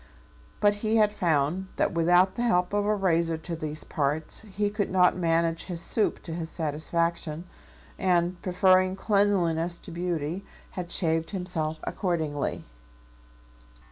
But he had found that without the help of a razor to these parts he could not manage his soup to his satisfaction, and preferring cleanliness to beauty had shaved himself accordingly.